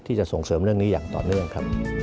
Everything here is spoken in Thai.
ที่จะส่งเสริมเรื่องนี้อย่างต่อเนื่องครับ